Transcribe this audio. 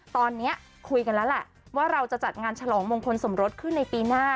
ตอนนี้คุยกันแล้วแหละว่าเราจะจัดงานฉลองมงคลสมรสขึ้นในปีหน้า